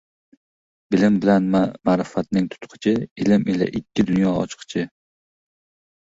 Bilim bilan ma’rifatning tutqichi, ilm ila ikki dunyo ochqichi